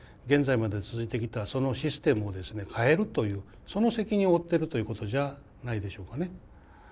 現在まで続いてきたそのシステムをですね変えるというその責任を負ってるということじゃないでしょうかね。